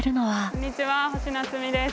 こんにちは星奈津美です。